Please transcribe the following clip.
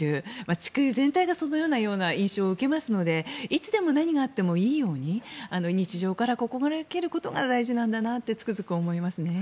地球全体がそのような印象を受けますのでいつでも何があってもいいように日常から心掛けることが大事なんだなとつくづく思いますね。